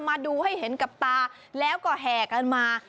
มาดูให้เห็นกับตาแล้วก็แห่กันมา